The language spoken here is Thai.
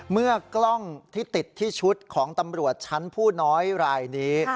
เมื่อกล้องที่ติดที่ชุดของตำรวจชั้นผู้น้อยรายนี้